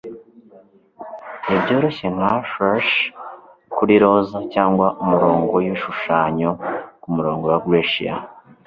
Nibyoroshye nka flush kuri roza cyangwa umurongo wibishushanyo kumurongo wa Greciya